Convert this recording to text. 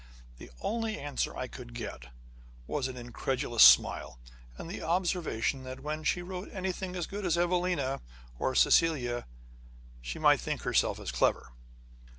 The only answer I could get was an incredulous smile, and the observation that when she wrote anything as good as Evelina, or Cecilia, he might think her as clever.